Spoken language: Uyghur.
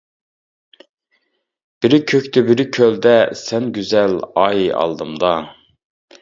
بىرى كۆكتە، بىرى كۆلدە، سەن گۈزەل ئاي ئالدىمدا.